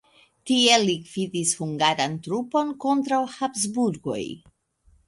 Tie li gvidis hungaran trupon kontraŭ Habsburgoj.